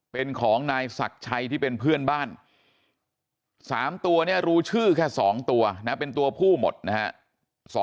เป็นของนายศักดิ์ชัยที่เป็นเพื่อนบ้าน๓ตัวเนี่ยรู้ชื่อแค่๒ตัวนะเป็นตัวผู้หมดนะฮะ